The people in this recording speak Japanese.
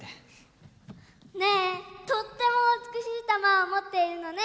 ねえとっても美しい玉を持っているのね。